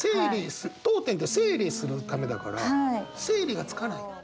読点って整理するためだから整理がつかない。